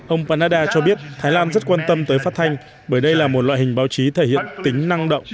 ông panada cho biết thái lan rất quan tâm tới phát thanh bởi đây là một loại hình báo chí thể hiện tính năng động